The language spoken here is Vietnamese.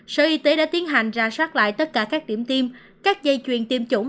sở y tế đã tiến hành ra soát lại tất cả các điểm tiêm các dây chuyền tiêm chủng